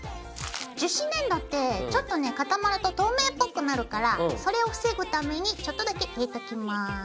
樹脂粘土ってちょっとね固まると透明っぽくなるからそれを防ぐためにちょっとだけ入れときます。